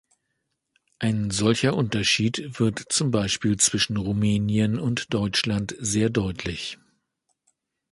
Ein solcher Unterschied wird zum Beispiel zwischen Rumänien und Deutschland sehr deutlich.